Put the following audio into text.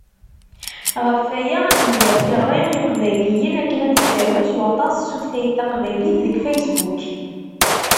Ɣef waya, ad d-nger tiɣri i Yiqbayliyen akken ad ttarun s waṭas s tutlayt taqbaylit deg Facebook.